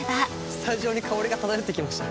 スタジオに香りが漂ってきました。